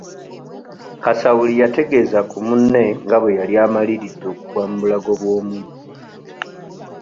Kasawuli yategeeza ku munne nga bwe yali amaliridde okugwa mu bulago bw'omubbi.